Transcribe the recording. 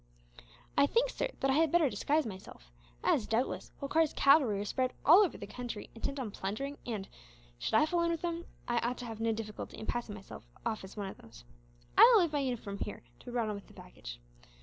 "I think, sir, that I had better disguise myself as, doubtless, Holkar's cavalry are spread all over the country intent on plundering and, should I fall in with them, I ought to have no difficulty in passing myself off as one of themselves. I will leave my uniform here, to be brought on with the baggage.